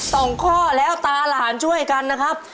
สองข้อแล้วตาหลานช่วยกันนะครับ